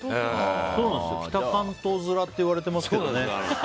北関東面って言われてますけどね。